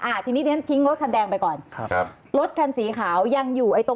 อ่าทีนี้เนื้อทิ้งรถคันแดงไปก่อน